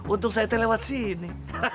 untung saya teh lewat sini